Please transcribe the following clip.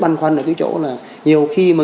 băn khoăn ở cái chỗ là nhiều khi mà